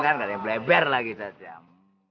kalian kan kadang bleber lagi set jam